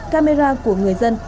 camera của người dân